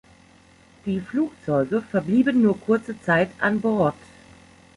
Die Flugzeuge verblieben nur kurze Zeit an Bord.